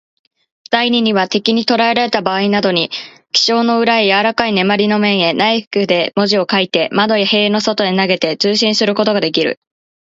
第二には、敵にとらえられたばあいなどに、記章の裏のやわらかい鉛の面へ、ナイフで文字を書いて、窓や塀の外へ投げて、通信することができる。